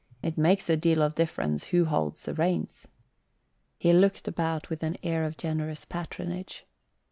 It makes a deal of difference who holds the reins." He looked about with an air of generous patronage.